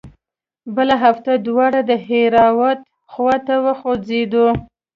بله هفته دواړه د دهراوت خوا ته وخوځېدو.